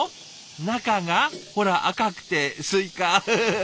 中がほら赤くてスイカウフフ。